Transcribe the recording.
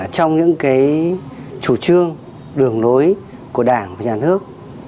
trong những chủ trương đường lối của đảng và nhà nước